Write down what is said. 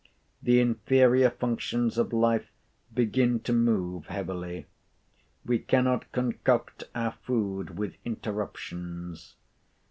The inferior functions of life begin to move heavily. We cannot concoct our food with interruptions.